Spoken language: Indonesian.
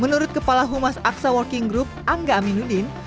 menurut kepala humas aksa working group angga aminuddin